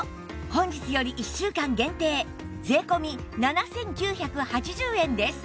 本日より１週間限定税込７９８０円です